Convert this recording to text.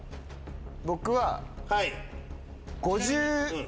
僕は。